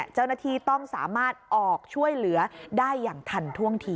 เจ้าหน้าที่ต้องสามารถออกช่วยเหลือได้อย่างทันท่วงที